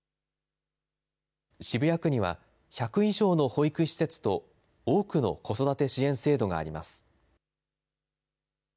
渋谷区には１００以上の保育施設と、多くの子育て支援制度があります。